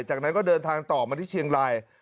จากนั้นก็เดินทางต่อมาที่เชียงราย